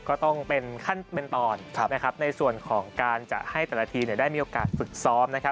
ก็ต้องเป็นขั้นเป็นตอนในส่วนของการจะให้แต่ละทีได้มีโอกาสฝึกซ้อม